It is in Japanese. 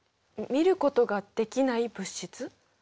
見ることができない物質？